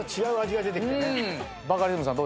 バカリズムさん